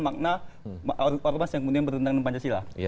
makna warma sido yang kemudian berhentangan di pancasila